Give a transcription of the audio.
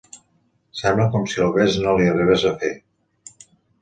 Sembla com si el bes no li arribés a fer.